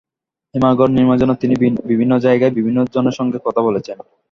হিমাগার নির্মাণের জন্য তিনি বিভিন্ন জায়গায় বিভিন্ন জনের সঙ্গে কথা বলেছেন।